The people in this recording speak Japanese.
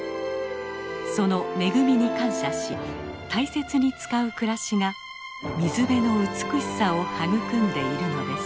その恵みに感謝し大切に使う暮らしが水辺の美しさを育んでいるのです。